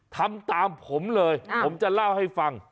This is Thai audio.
ทำตามผมเลยผมจะเล่าให้ฟัง